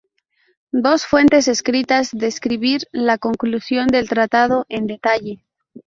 Dos fuentes escritas describir la conclusión del tratado en detalle.